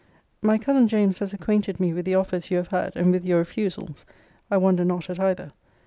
My cousin James has acquainted me with the offers you have had, and with your refusals. I wonder not at either.